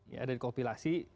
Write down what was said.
ya ada dikompilasi